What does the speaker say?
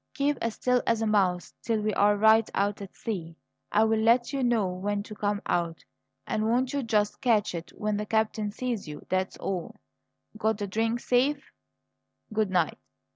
Keep as still as a mouse till we're right out at sea. I'll let you know when to come out. And won't you just catch it when the captain sees you that's all! Got the drink safe? Good night!"